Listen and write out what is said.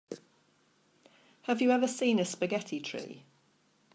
Have you ever seen a spaghetti tree?